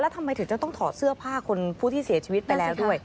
ทำไมถึงจะต้องถอดเสื้อผ้าคนผู้ที่เสียชีวิตไปแล้วด้วย